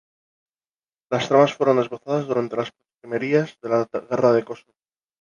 Las tramas fueron esbozadas durante las postrimerías de la Guerra de Kosovo.